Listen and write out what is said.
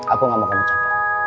aku gak mau kamu capek